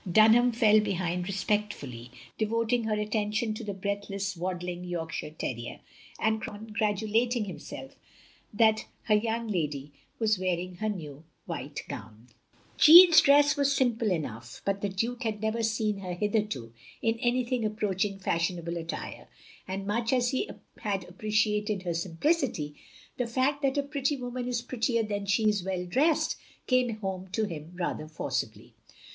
Dtmham fell behind respectfully, devoting her attention to the breathless waddling York shire terrier; and congratulating herself that her young lady was wearing her new white gown. 2s8 THE LONELY LADY Jeanne's dress was simple enough, but the Duke had never seen her hitherto, in anything approaching fashionable attire; and much as he had appreciated her simplicity, the fact that a pretty woman is prettier when she is well dressed, came home to him rather forcibly.